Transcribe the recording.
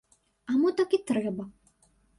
А мо так і трэба?